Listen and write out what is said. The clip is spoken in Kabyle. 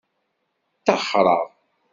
Ttaxreɣ.